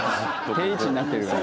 定位置になってるからね。